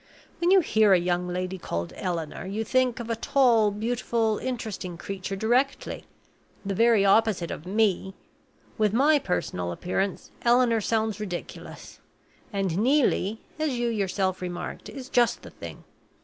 When you hear a young lady called Eleanor, you think of a tall, beautiful, interesting creature directly the very opposite of me! With my personal appearance, Eleanor sounds ridiculous; and Neelie, as you yourself remarked, is just the thing.